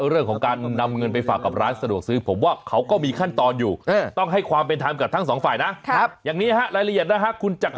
เอ้าซื้อไข่เป็ดแทน